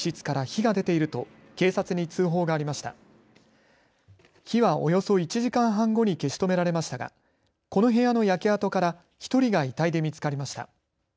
火はおよそ１時間半後に消し止められましたがこの部屋の焼け跡から１人が遺体で見つかりました。